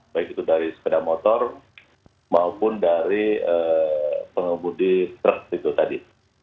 baik itu dari sepeda motor maupun dari pengemudi truk itu tadi